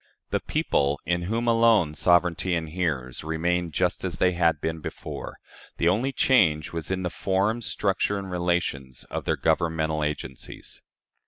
The people, in whom alone sovereignty inheres, remained just as they had been before. The only change was in the form, structure, and relations of their governmental agencies.